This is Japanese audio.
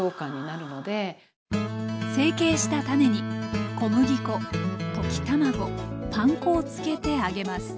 成形したタネに小麦粉溶き卵パン粉をつけて揚げます。